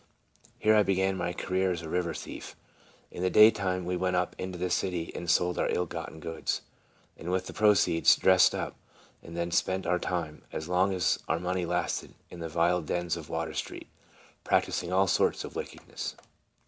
Here I be gan my career as a river thief. In the day time we went up into the city and sold our ill gotten goods, and with the proceeds dressed up, and then spent our time, as long as o ill money lasted, in the vile dens of Water street, practising all sorts of wickedness.